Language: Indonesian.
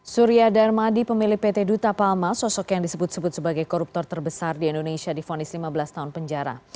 surya dharmadi pemilik pt duta palma sosok yang disebut sebut sebagai koruptor terbesar di indonesia difonis lima belas tahun penjara